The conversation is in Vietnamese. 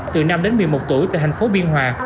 từ năm đến một mươi một tuổi tại thành phố biên hòa